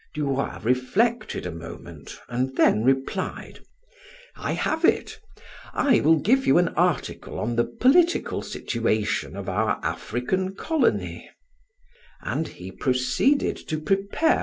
Du Roy reflected a moment and then replied: "I have it. I will give you an article on the political situation of our African colony," and he proceeded to prepare M.